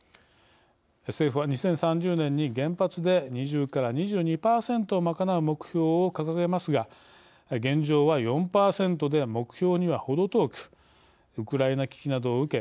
政府は２０３０年に原発で２０２２％を賄う目標を掲げますが現状は４％で目標には程遠くウクライナ危機などを受け